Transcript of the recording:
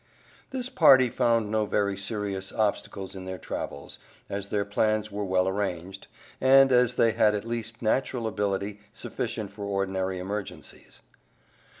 This party found no very serious obstacles in their travels, as their plans were well arranged, and as they had at least natural ability sufficient for ordinary emergencies.